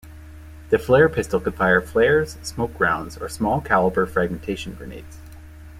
The flare pistol could fire flares, smoke rounds or small calibre fragmentation grenades.